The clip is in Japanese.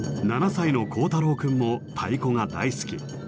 ７歳の昊太郎君も太鼓が大好き。